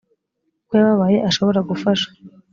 ko yababaye ashobora gufasha